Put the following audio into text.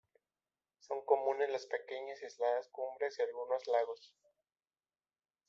Son comunes las pequeñas y aisladas cumbres y algunos lagos.